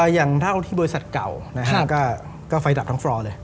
อย่างเท่าที่บริษัทเก่าก็ไฟดับทั้งฟลอเลย